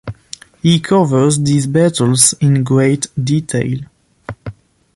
He covers these battles in great detail.